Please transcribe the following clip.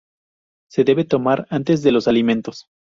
Se debe tomar antes de los alimentos.